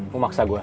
mau maksa gue